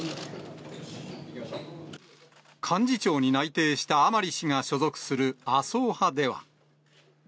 幹事長に内定した甘利氏が所属する麻生派では。